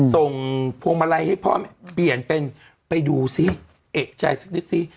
พวงมาลัยให้พ่อเปลี่ยนเป็นไปดูซิเอกใจสักนิดซิ